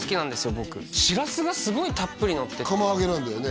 僕しらすがすごいたっぷりのって釜揚げなんだよね